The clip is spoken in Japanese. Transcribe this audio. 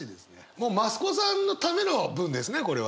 もう増子さんのための文ですねこれは。